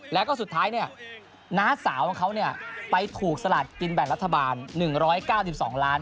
แล้วก็สุดท้ายน้าสาวของเขาไปถูกสลักกินแบ่งรัฐบาล๑๙๒ล้าน